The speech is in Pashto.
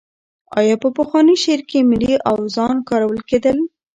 آیا په پخواني شعر کې ملي اوزان کارول کېدل؟